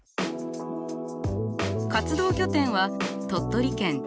活動拠点は鳥取県智頭町。